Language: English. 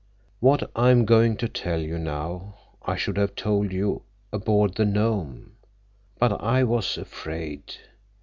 What I am going to tell you now I should have told you aboard the Nome. But I was afraid.